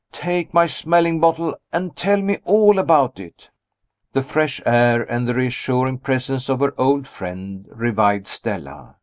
Take my smelling bottle, and tell me all about it." The fresh air, and the reassuring presence of her old friend, revived Stella.